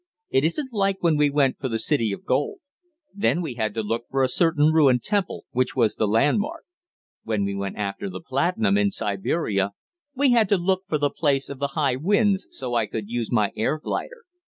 It isn't like when we went for the city of gold. There we had to look for a certain ruined temple, which was the landmark. When we went after the platinum in Siberia we had to look for the place of the high winds, so I could use my air glider.